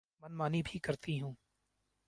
من مانی بھی کرتی ہوں۔